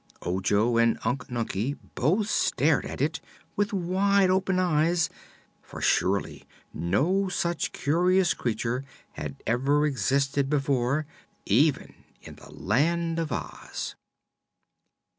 Ojo and Unc Nunkie both stared at it with wide open eyes, for surely no such curious creature had ever existed before even in the Land of Oz.